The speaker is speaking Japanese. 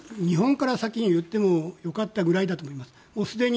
日本から先に言ってもよかったくらいだと思います。